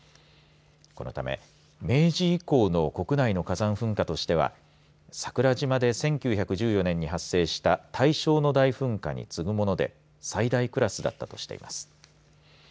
このため明治以降の国内の火山噴火としては桜島で１９１４年に発生した大正の大噴火に次ぐもので最大クラスだったとしています。